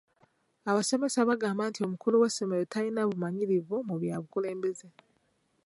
Abasomesa baagamba nti omukulu w'essomero talina bumanyirivu mu bya bukulembeze.